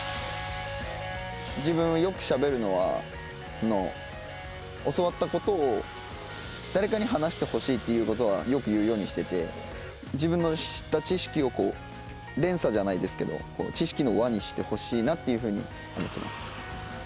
自分よくしゃべるのは教わったことを誰かに話してほしいっていうことはよく言うようにしてて自分の知った知識を連鎖じゃないですけど知識の輪にしてほしいなっていうふうに思ってます。